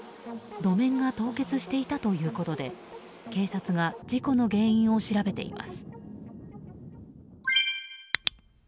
路面が凍結していたということで警察が事故の原因を調べています。